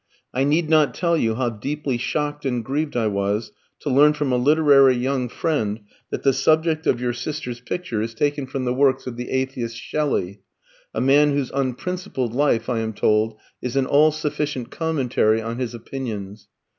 I need not tell you how deeply shocked and grieved I was to learn from a literary young friend that the subject of your sister's picture is taken from the works of the atheist Shelley a man whose unprincipled life, I am told, is an all sufficient commentary on his opinions.